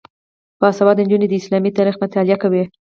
باسواده نجونې د اسلامي تاریخ مطالعه کوي.